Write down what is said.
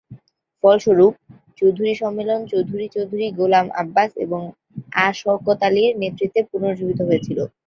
ফলস্বরূপ, চৌধুরী সম্মেলন চৌধুরী চৌধুরী গোলাম আব্বাস এবং আঃ শওকত আলীর নেতৃত্বে পুনর্জীবিত হয়েছিল।